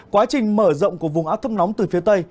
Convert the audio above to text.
quá trình mở rộng của vùng áp thấp nóng từ phía tây